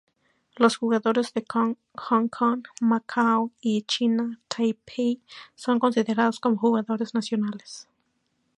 Los jugadores de Hong Kong, Macao y China Taipei son considerados como jugadores nacionales.